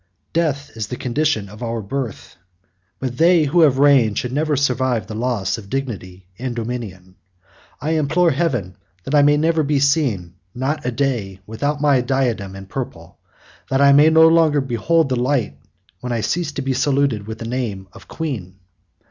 Death is the condition of our birth; but they who have reigned should never survive the loss of dignity and dominion. I implore Heaven, that I may never be seen, not a day, without my diadem and purple; that I may no longer behold the light, when I cease to be saluted with the name of queen.